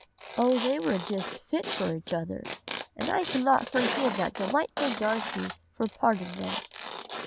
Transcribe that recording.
Oh, they were just fit for each other, and I cannot forgive that delightful Darcy for parting them.